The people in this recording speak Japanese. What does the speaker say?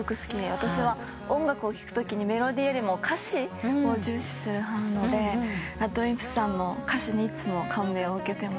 私は音楽を聴くときにメロディーよりも歌詞を重視する方なのでＲＡＤＷＩＭＰＳさんの歌詞にいつも感銘を受けてます。